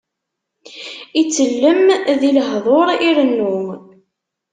Itellem di lehduṛ, irennu.